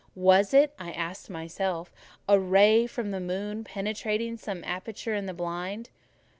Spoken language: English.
Was it, I asked myself, a ray from the moon penetrating some aperture in the blind?